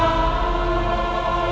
aku tidak tahu diri